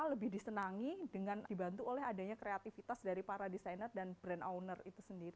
lebih disenangi dengan dibantu oleh adanya kreativitas dari para desainer dan brand owner itu sendiri